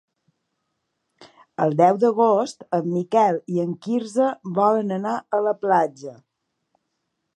El deu d'agost en Miquel i en Quirze volen anar a la platja.